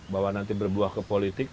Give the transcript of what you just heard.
bahwa nanti berbuah ke politik